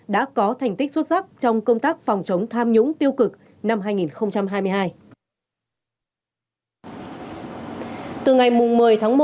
đã có thành tích xuất sắc trong công tác phòng chống tham nhũng tiêu cực năm hai nghìn hai mươi hai